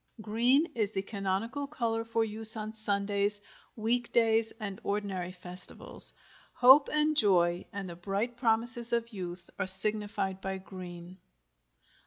GREEN is the canonical color for use on Sundays, week days, and ordinary festivals. Hope and joy and the bright promises of youth are signified by green.